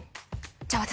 じゃあ私